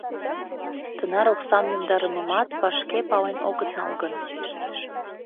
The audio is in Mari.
— Тынар оксам йомдарымымат вашке пален огыт нал гын...